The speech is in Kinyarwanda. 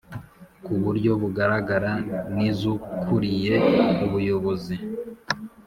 ku buryo bugaragara n iz ukuriye Ubuyobozi